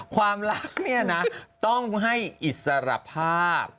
ความรักเนี่ยนะต้องให้อิสรภาพ